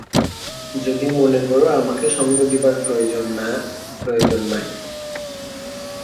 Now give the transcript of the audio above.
যদি মনে কর আমাকে সঙ্গ দিবার প্রয়োজন–না, প্রয়োজন নাই।